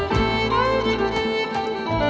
สวัสดีค่ะ